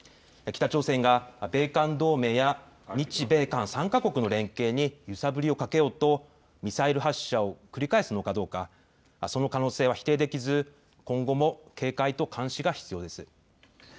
北朝鮮が米韓同盟や日米韓３か国の連携に揺さぶりをかけようとミサイル発射を繰り返すのかどうかその可能性は否定できず今後も警戒と監視が必要です。